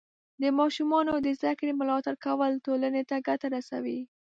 د ماشومانو د زده کړې ملاتړ کول ټولنې ته ګټه رسوي.